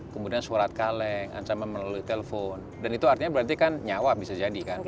kemudian surat kaleng ancaman melalui telepon dan itu artinya berarti kan nyawa bisa jadi kan